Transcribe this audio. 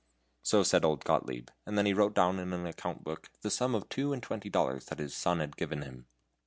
So said old Gottlieb, and then he wrote down in an account book the sum of two and twenty dollars that his son had given him.